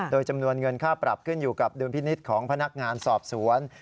โดยจำนวนเงินค่าปรับขึ้นอยู่กับดุลพินิษฐ์ของพนักงานสอบสวน